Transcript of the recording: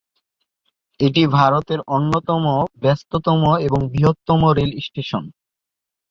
এটি ভারতের অন্যতম ব্যস্ততম এবং বৃহত্তম রেল স্টেশন।